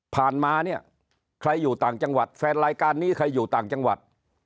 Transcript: มาเนี่ยใครอยู่ต่างจังหวัดแฟนรายการนี้ใครอยู่ต่างจังหวัด